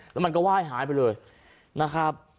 แล้วมันก็ไหว้หายไปเลยนะครับ